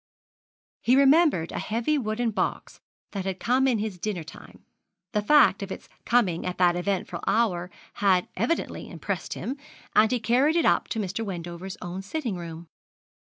He remembered a heavy wooden box that had come in his dinner time the fact of its coming at that eventful hour had evidently impressed him and he had carried it up to Mr. Wendover's own sitting room.